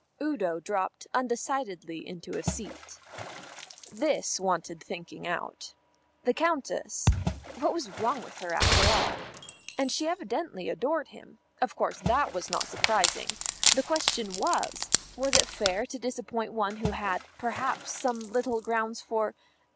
Udo dropped undecidedly into a seat. This wanted thinking out. The Countess what was wrong with her, after all? And she evidently adored him. Of course that was not surprising; the question was, was it fair to disappoint one who had, perhaps, some little grounds for